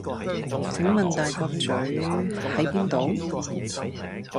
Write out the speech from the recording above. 請問大角嘴…喺邊度？